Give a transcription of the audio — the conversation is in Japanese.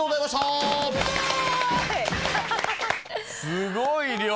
すごい量！